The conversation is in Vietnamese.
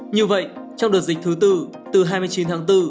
như vậy trong đợt dịch thứ tư từ hai mươi chín tháng bốn